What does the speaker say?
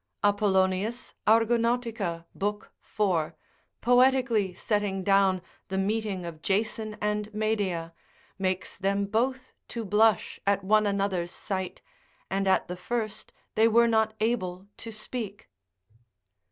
Apollonius Argonaut. lib. 4. poetically setting down the meeting of Jason and Medea, makes them both to blush at one another's sight, and at the first they were not able to speak.